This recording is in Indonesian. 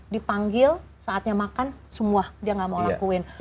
dipanggil saatnya makan semua dia gak mau lakuin